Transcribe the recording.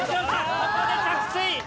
ここで着水！